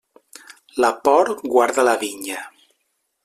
La por guarda la vinya.